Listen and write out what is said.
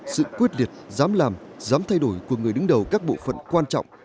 sự quyết liệt dám làm dám thay đổi của người đứng đầu các bộ phận quan trọng